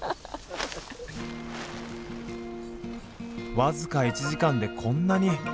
僅か１時間でこんなに。